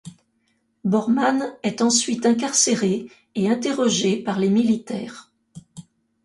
Bormann est ensuite incarcérée et interrogée par les militaires.